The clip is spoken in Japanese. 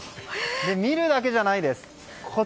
見るだけじゃないです。